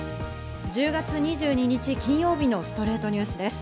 １０月２２日、金曜日の『ストレイトニュース』です。